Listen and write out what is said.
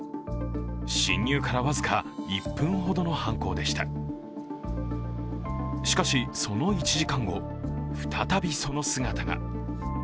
侵入から僅か１分ほどの犯行でしたしかし、その１時間後再びその姿が。